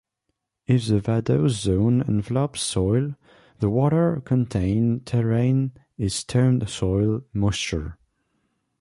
If the vadose zone envelops soil, the water contained therein is termed soil moisture.